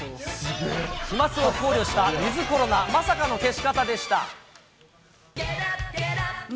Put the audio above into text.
飛まつを考慮したウィズコロナまさかの消し方でした。